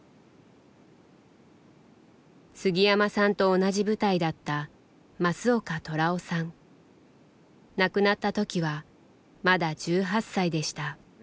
杉山さんと同じ部隊だった亡くなった時はまだ１８歳でした。